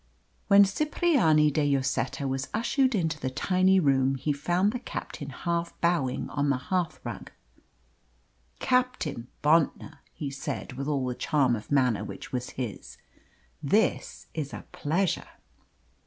When Cipriani de Lloseta was ushered into the tiny room he found the captain half bowing on the hearthrug. "Captain Bontnor," he said, with all the charm of manner which was his, "this is a pleasure."